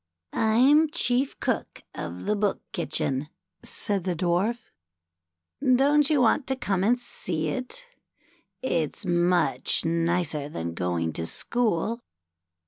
"I'm chief cook of the Book Kitchen," said the Dwarf. " Don't you want to come and see it ? It's much nicer than going to school.